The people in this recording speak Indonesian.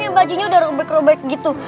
yang bajunya udah robek robek gitu